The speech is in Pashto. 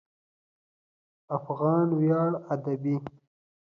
افغان ویاړ ادبي